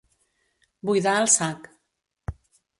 Buidar el sac.